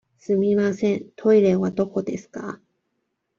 すみません、トイレはどこですか。